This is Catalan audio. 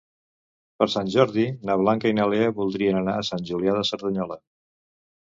Per Sant Jordi na Blanca i na Lea voldrien anar a Sant Julià de Cerdanyola.